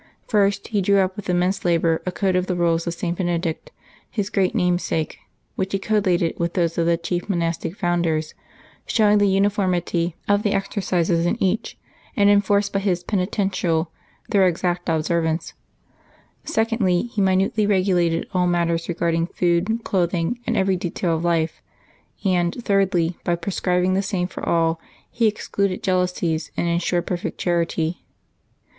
First, he drew up with immense labor a code of the rules of St. Benedict, his great namesake, which he collated with those of the chief monastic found ers, showing the uniformity of the exercises in each, and enforced by his " Penitential '^ their exact observance ; secondly, he minutely regulated all matters regarding food, clothing, and every detail of life; and thirdly, by prescribing the same for all, he excluded jealousies and insured perfect charity.